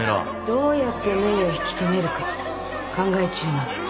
どうやってメイを引き留めるか考え中なの。